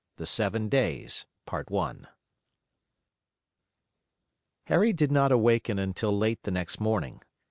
THE SEVEN DAYS Harry did not awaken until late the next morning.